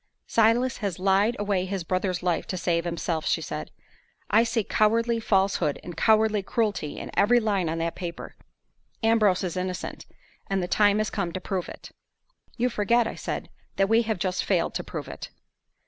"Silas has lied away his brother's life to save himself," she said. "I see cowardly falsehood and cowardly cruelty in every line on that paper. Ambrose is innocent, and the time has come to prove it." "You forget," I said, "that we have just failed to prove it."